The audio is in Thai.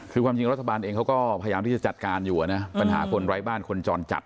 คือความจริงรัฐบาลเองเขาก็พยายามที่จะจัดการอยู่นะปัญหาคนไร้บ้านคนจรจัด